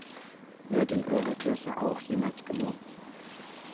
Wird in eurer Klasse auch jemand gemobbt?